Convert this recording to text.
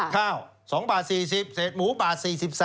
ข้าว๒บาท๔๐เศษหมูบาท๔๓